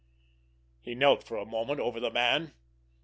He knelt for a moment over the man.